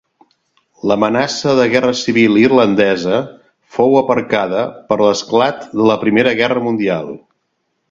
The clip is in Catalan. L'amenaça de guerra civil irlandesa fou aparcada per l'esclat de la Primera Guerra Mundial.